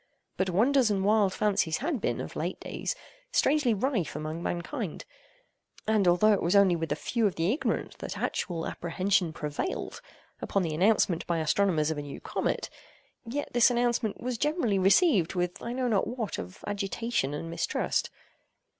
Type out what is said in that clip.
But wonders and wild fancies had been, of late days, strangely rife among mankind; and, although it was only with a few of the ignorant that actual apprehension prevailed, upon the announcement by astronomers of a new comet, yet this announcement was generally received with I know not what of agitation and mistrust.